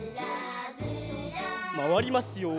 まわりますよ。